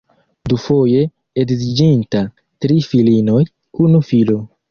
Dufoje edziĝinta, tri filinoj, unu filo.